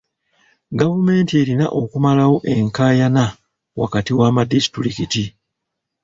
Gavumenti erina okumalawo enkaayana wakati w'amadisitulikiti.